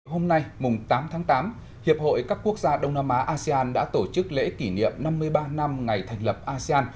hôm nay mùng tám tháng tám hiệp hội các quốc gia đông nam á asean đã tổ chức lễ kỷ niệm năm mươi ba năm ngày thành lập asean